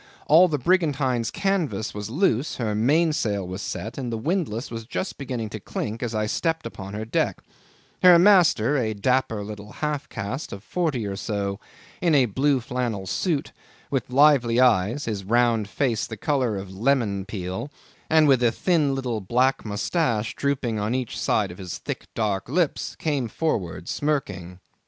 All the brigantine's canvas was loose, her mainsail was set, and the windlass was just beginning to clink as I stepped upon her deck: her master, a dapper little half caste of forty or so, in a blue flannel suit, with lively eyes, his round face the colour of lemon peel, and with a thin little black moustache drooping on each side of his thick, dark lips, came forward smirking.